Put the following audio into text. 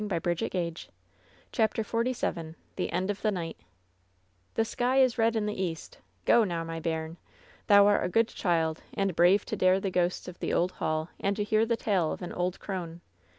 LOVE'S BITTEREST CUP 287 CHAPTER XLVII THE BIO) OF THE NIGHT "The sky is red in the east. Go now, my bairn. Thou art a good child, and brave to dare the ghosts of the old hall and to hear the tale of an old crone.